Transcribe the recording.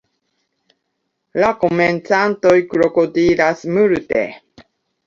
La komencantoj krokodilas multe.